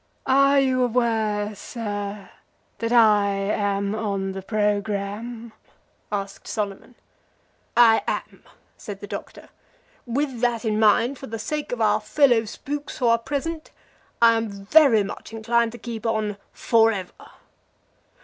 "Are you aware, sir, that I am on the programme?" asked Solomon. "I am," said the Doctor. "With that in mind, for the sake of our fellow spooks who are present, I am very much inclined to keep on forever.